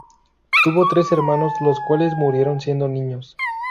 Tuvo tres hermanos, los cuales murieron siendo niños.